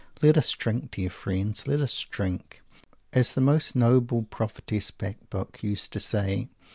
Let us drink, dear friends, let us drink, as the most noble prophetess Bacbuc used to say!